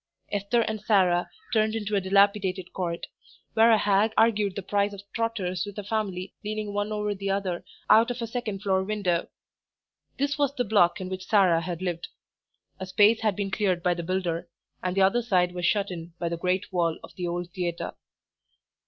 Esther and Sarah turned into a dilapidated court, where a hag argued the price of trotters with a family leaning one over the other out of a second floor window. This was the block in which Sarah had lived. A space had been cleared by the builder, and the other side was shut in by the great wall of the old theatre.